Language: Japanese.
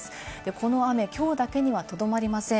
この雨きょうだけにはとどまりません。